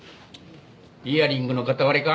イヤリングの片割れか？